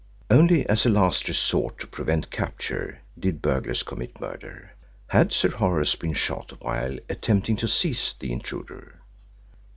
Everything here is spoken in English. Only as a last resort to prevent capture did burglars commit murder. Had Sir Horace been shot while attempting to seize the intruder?